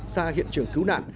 ra hiện trường cứu nạn